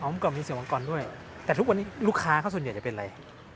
เมื่อก่อนมีเสียงมังกรด้วยแต่ทุกวันนี้ลูกค้าเขาส่วนใหญ่จะเป็นอะไร